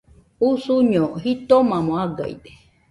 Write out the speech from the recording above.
Usuño jitomamo agaide.